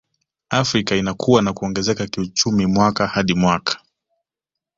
Afrika inakua na kuongezeka kiuchumi mwaka hadi mwaka